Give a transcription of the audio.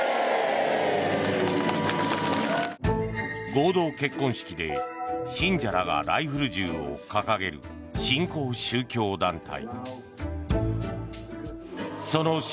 合同結婚式で信者らがライフル銃を掲げる新興宗教団体。